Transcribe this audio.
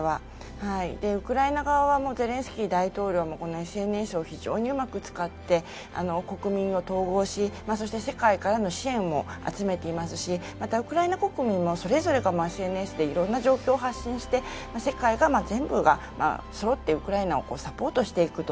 ウクライナ側はゼレンスキー大統領がＳＮＳを非常にうまく使って国民を統合し、そして世界からの支援を集めていますし、ウクライナ国民もそれぞれがＳＮＳでいろんな状況を発信して世界全部がそろってウクライナをサポートしていくと。